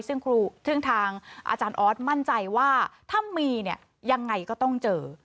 ซึ่งครูซึ่งทางอาจารย์ออสมั่นใจว่าถ้ามีเนี่ยยังไงก็ต้องเจอ